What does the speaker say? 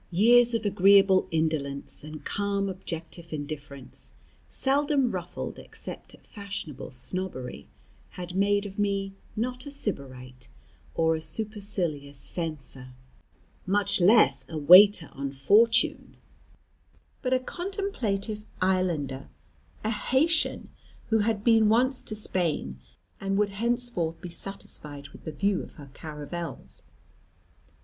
Years of agreeable indolence, and calm objective indifference, seldom ruffled except at fashionable snobbery, had made of me not a Sybarite, or a supercilious censor, much less a waiter on fortune, but a contemplative islander, a Haytian who had been once to Spain, and would henceforth be satisfied with the view of her caravels.